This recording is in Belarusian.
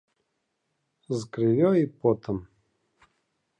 З крывёй і потам.